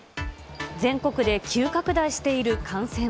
全国で急拡大している感染。